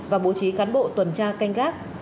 và bố trí cán bộ tuần tra canh gác